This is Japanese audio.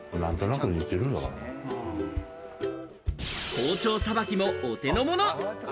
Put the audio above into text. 包丁さばきも、お手のもの。